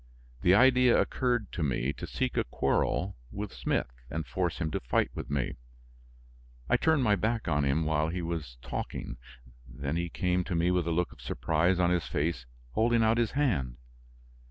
The idea occurred to me to seek a quarrel with Smith and force him to fight with me; I turned my back on him while he was talking; then he came to me with a look of surprise on his face, holding out his hand.